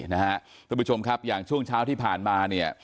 ท่านผู้ชมครับอย่างช่วงเช้าที่ผ่านมาเนี่ย